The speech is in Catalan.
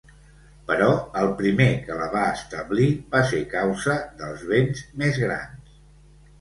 Però el primer que la va establir va ser causa dels béns més grans.